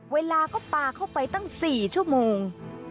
เวลาก็ปลาเข้าไปตั้ง๔ชั่วโมง